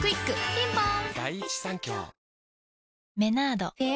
ピンポーン